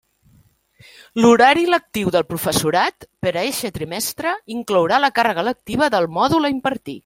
L'horari lectiu del professorat, per a eixe trimestre, inclourà la càrrega lectiva del mòdul a impartir.